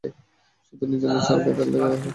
শুধু নিজেদের চরকায় তেল দেয়া যাক।